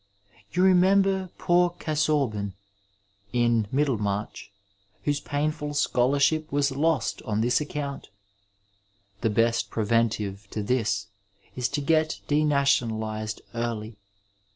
You remember poor Oasaubon, in MidSemanA, whose painful scholarship was lost on this account. The best preventive to this is to get denationalused early.